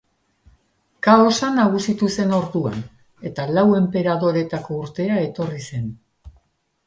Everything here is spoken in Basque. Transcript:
Kaosa nagusitu zen orduan, eta Lau enperadoretako urtea etorri zen.